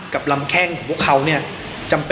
กับลำแข้งของพวกเขา